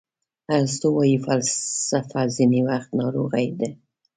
ارسطو وایي فلسفه ځینې وخت ناروغي ده.